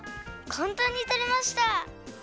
かんたんにとれました。